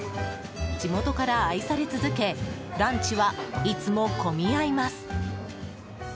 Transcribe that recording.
地元から愛され続けランチはいつも混み合います。